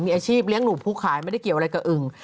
มีอาชีพเลี้ยงหนูผู้ขายไม่ได้เกี่ยวอะไรกับอึ่ง